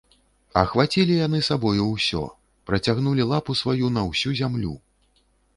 Ахвацілі яны сабою ўсё, працягнулі лапу сваю на ўсю зямлю.